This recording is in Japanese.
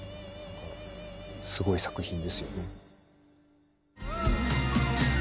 すごい作品ですよね。